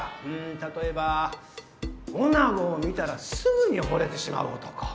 例えば女子を見たらすぐに惚れてしまう男。